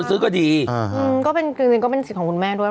อืมก็เป็นสิทธิ์ของคุณแม่ด้วย